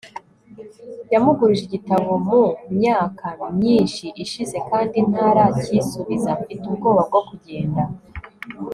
yamugurije igitabo mu myaka myinshi ishize kandi ntaracyisubiza.mfite ubwoba bwo kugenda